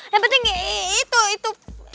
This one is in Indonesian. yang penting itu itu